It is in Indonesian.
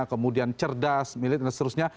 kemudian cerdas milit dan seterusnya